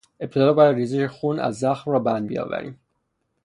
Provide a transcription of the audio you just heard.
ابتدا باید ریزش خون از زخم را بند بیاوریم.